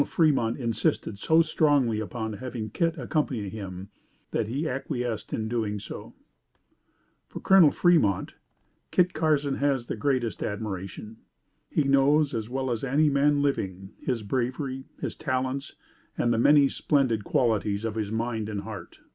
Fremont insisted so strongly upon having Kit accompany him that he acquiesced in doing so. For Col. Fremont, Kit Carson has the greatest admiration. He knows, as well as any man living, his bravery, his talents and the many splendid qualities of his mind and heart.